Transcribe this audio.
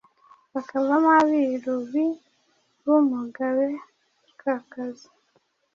bakavamo Abiru b’I Bumugabekakazi